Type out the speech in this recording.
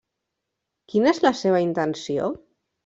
Quina és la seva intenció?